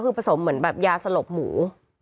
คือในอาหารก็ผสมแบบยาสะลบหมู